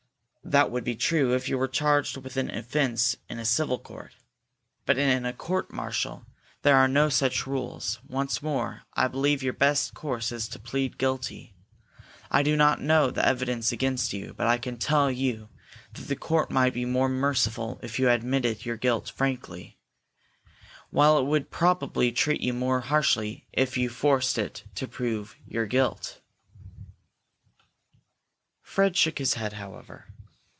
"That would be true if you were charged with an offence in a civil court. But in a court martial there are no such rules. Once more, I believe your best course is to plead guilty. I do not know the evidence against you, but I can tell you that the court might be merciful if you admitted your guilt frankly, while it would probably treat you more harshly if you forced it to prove your guilt." Fred shook his head, however.